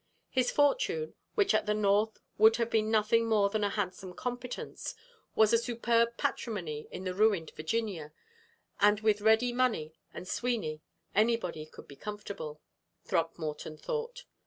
His fortune, which at the North would have been nothing more than a handsome competence, was a superb patrimony in the ruined Virginia, and with ready money and Sweeney anybody could be comfortable, Throckmorton thought.